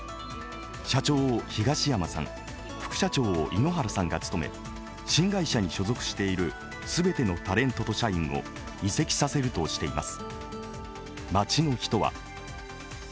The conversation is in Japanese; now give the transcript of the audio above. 社長を東山さん、副社長を井ノ原さんが務め新会社に、所属している全てのタレントと社員を移籍させるとしています。